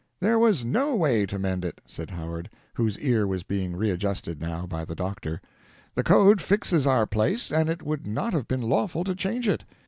"There was no way to mend it," said Howard, whose ear was being readjusted now by the doctor; "the code fixes our place, and it would not have been lawful to change it.